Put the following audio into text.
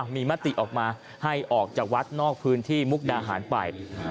มีมติออกมาให้ออกจากวัดนอกพื้นที่มุกดาหารไป